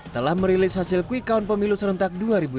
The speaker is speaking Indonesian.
telah merilis hasil quick count pemilu serentak dua ribu sembilan belas